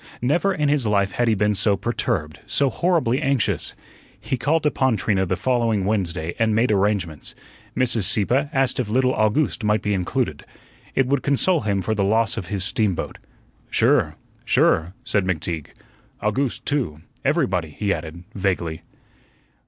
Never in his life had he been so perturbed, so horribly anxious. He called upon Trina the following Wednesday and made arrangements. Mrs. Sieppe asked if little August might be included. It would console him for the loss of his steamboat. "Sure, sure," said McTeague. "August too everybody," he added, vaguely.